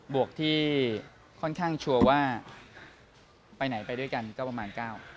วกที่ค่อนข้างชัวร์ว่าไปไหนไปด้วยกันก็ประมาณเก้า